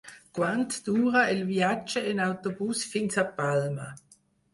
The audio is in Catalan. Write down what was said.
Quant dura el viatge en autobús fins a Palma?